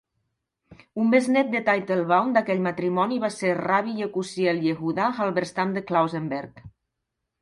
Un besnét de Teitelbaum d"aquell matrimoni va ser Rabbi Yekusiel Yehudah Halberstam de Klausenberg.